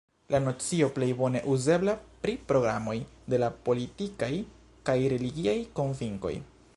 La nocio plej bone uzebla pri programoj de la politikaj kaj religiaj konvinkoj.